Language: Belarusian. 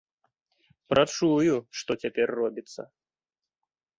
Прачую, што цяпер робіцца.